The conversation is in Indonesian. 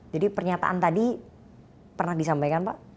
jadi pernyataan tadi pernah disampaikan pak